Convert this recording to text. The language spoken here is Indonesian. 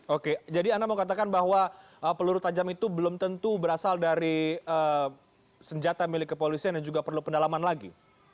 oke jadi anda mau katakan bahwa peluru tajam itu belum tentu berasal dari senjata milik kepolisian dan juga perlu pendalaman lagi